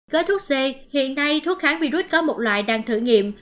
gói thuốc c hiện nay thuốc kháng virus có một loại đang thử nghiệm